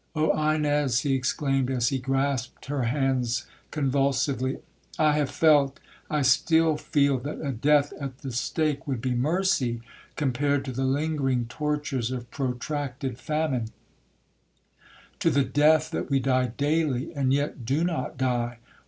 —Oh Ines,' he exclaimed, as he grasped her hands convulsively, 'I have felt,—I still feel, that a death at the stake would be mercy compared to the lingering tortures of protracted famine,—to the death that we die daily—and yet do not die!